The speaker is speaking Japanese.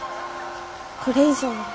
これ以上は。